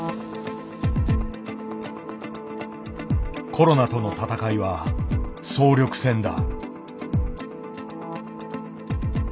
コロナとの闘いは総力戦だ。